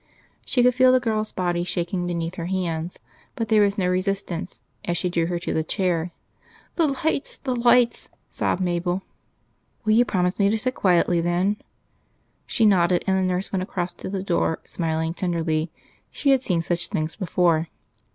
She could feel the girl's body shaking beneath her hands, but there was no resistance as she drew her to the chair. "The lights! the lights!" sobbed Mabel. "Will you promise me to sit quietly, then?" She nodded; and the nurse went across to the door, smiling tenderly; she had seen such things before.